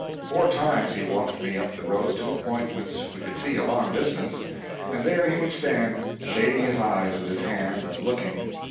Four times he walked me up the road to a point whence we could see a long distance; and there he would stand, shading his eyes with his hand, and looking.